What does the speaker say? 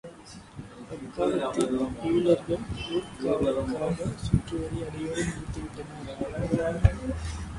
அக்காலத்தில் பீலர்கள் ஊர்க்காவலுக்காகச் சுற்றுவதை அடியோடு நிறுத்திவிட்டனர்.